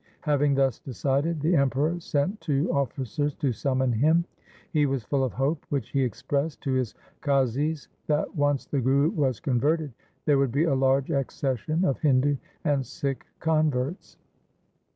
Having thus decided the Emperor sent two officers to summon him. He was full of hope, which he expressed to his Qazis, that, once the Guru was converted, there would be a large accession of Hindu and Sikh converts.